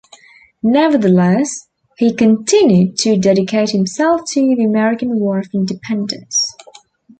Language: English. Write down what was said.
Nevertheless, he continued to dedicate himself to the American War of Independence.